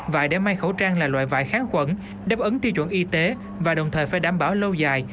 vải để may khẩu trang là loại vải kháng khuẩn đáp ứng tiêu chuẩn y tế và đồng thời phải đảm bảo lâu dài